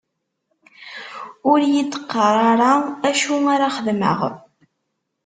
Ur yi-d-qqar ara acu ara xedmeɣ!